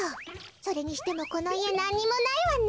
それにしてもこのいえなんにもないわね。